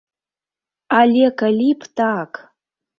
Але калі б так!